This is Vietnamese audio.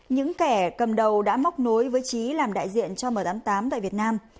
những kẻ cầm đầu đã móc nối với trí làm đại diện cho m tám mươi tám tại việt nam